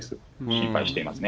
心配していますね。